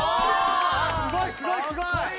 あすごいすごいすごい！